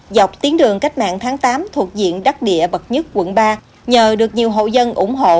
dọc tuyến đường cách mạng tháng tám thuộc diện đắc địa bậc nhất quận ba nhờ được nhiều hộ dân ủng hộ